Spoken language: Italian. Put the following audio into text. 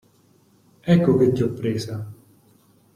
Ecco che ti ho presa!